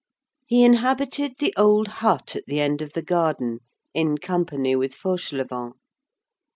He inhabited the old hut at the end of the garden, in company with Fauchelevent.